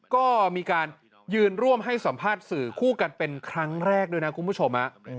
ก็มีการยืนร่วมให้สัมภาษณ์สื่อคู่กันเป็นครั้งแรกด้วยนะคุณผู้ชม